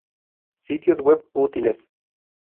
Sitios web útiles